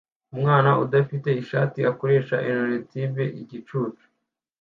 Umwana udafite ishati akoresha innertube igicucu